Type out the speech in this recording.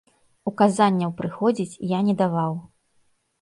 Указанняў прыходзіць я не даваў.